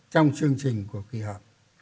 trong chương trình của kỳ họp